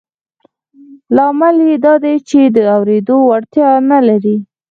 لامل یې دا دی چې د اورېدو وړتیا نه لري